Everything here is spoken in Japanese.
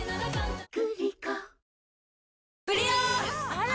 あら！